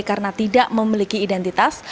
karena tidak memiliki identitas